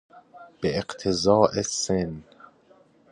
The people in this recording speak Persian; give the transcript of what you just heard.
به اقتضاء سن